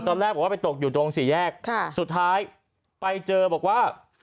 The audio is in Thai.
ตอนแรกบอกว่าไปตกอยู่ตรงสี่แยกสุดท้ายไปเจอบอกว่า